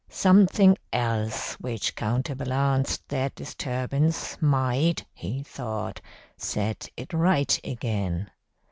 Something else which counterbalanced that disturbance might, he thought, set it right again.